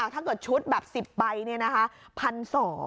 ถ้าเกิดชุดแบบ๑๐ใบเนี่ยนะคะ๑๒๐๐บาท